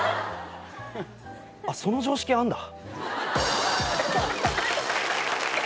その常識あんだ。